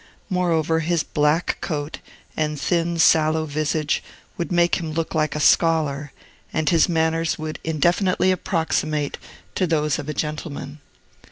Moreover, his black coat, and thin, sallow visage, would make him look like a scholar, and his manners would indefinitely approximate to those of a gentleman.